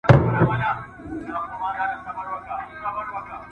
د اله اباد پوهنتون شورا نوي پریکړه وکړه.